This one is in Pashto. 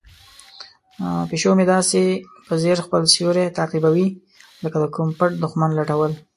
پیشو مې داسې په ځیر خپل سیوری تعقیبوي لکه د کوم پټ دښمن لټول.